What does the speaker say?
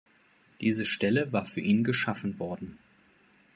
Diese Stelle war für ihn geschaffen worden.